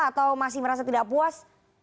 atau masih merasa tidak puas